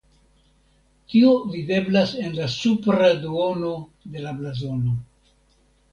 Tio videblas en la supra duono de la blazono.